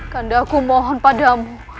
kanda aku mohon padamu